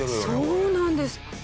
そうなんです。